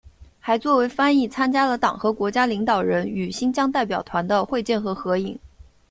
还作为翻译参加了党和国家领导人与新疆代表团的会见和合影。